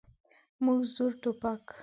موږ زوړ ټوپک.